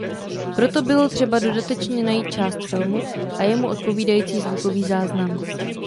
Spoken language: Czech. Proto bylo třeba dodatečně najít část filmu a jemu odpovídající zvukový záznam.